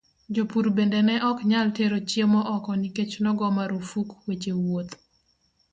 Jopur bende ne ok nyal tero chiemo oko nikech nogo marufuk weche wuoth.